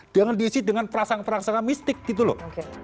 jangan diisi dengan prasangka prasangka mistik gitu loh